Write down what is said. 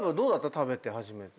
食べて初めて。